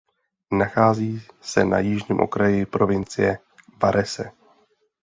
Nachází se na jižním okraji provincie Varese.